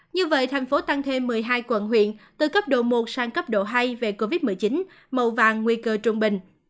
như vậy thành phố tăng thêm một mươi hai quận huyện từ cấp độ một sang cấp độ hai về covid một mươi chín màu vàng nguy cơ trung bình